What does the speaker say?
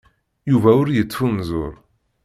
Yuba ur yettfunzur.